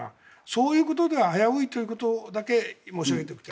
そういうことでは危ういということだけ申し上げておきたい。